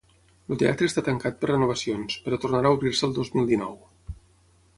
El teatre està tancat per renovacions, però tornara a obrir-se el dos mil dinou.